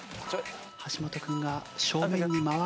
橋本君が正面に回る。